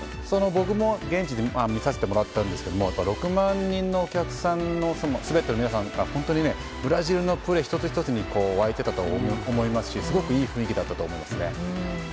僕も現地で見させてもらったんですが６万人の全ての皆さんがブラジルのプレー１つ１つに沸いてたと思いますしすごくいい雰囲気だったと思います。